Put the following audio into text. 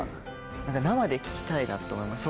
生で聴きたいなって思いました。